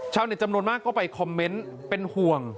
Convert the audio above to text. จำนวนมากก็ไปคอมเมนต์เป็นห่วง